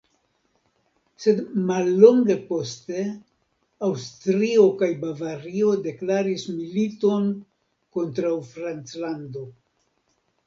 Sed mallonge poste Aŭstrio kaj Bavario deklaris militon kontraŭ Franclando.